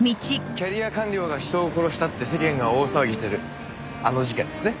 キャリア官僚が人を殺したって世間が大騒ぎしてるあの事件ですね？